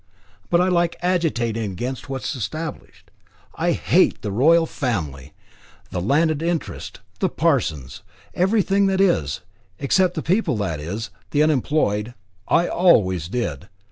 But I like agitating against what is established. I hate the Royal Family, the landed interest, the parsons, everything that is, except the people that is, the unemployed. I always did.